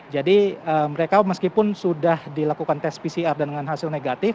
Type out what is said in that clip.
jadi mereka meskipun sudah dilakukan tes pcr dan dengan hasil negatif